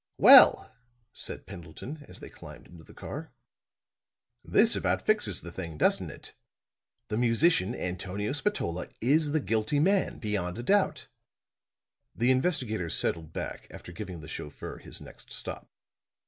"Well," said Pendleton, as they climbed into the car, "this about fixes the thing, doesn't it? The musician, Antonio Spatola, is the guilty man, beyond a doubt." The investigator settled back after giving the chauffeur his next stop.